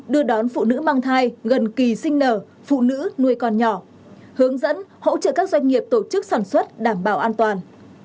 đưa đón phụ nữ mang thai gần kỳ sinh nở phụ nữ nuôi con nhỏ hướng dẫn hỗ trợ các doanh nghiệp tổ chức sản xuất đảm bảo an toàn